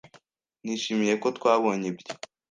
Nishimiye ko twabonye ibyo.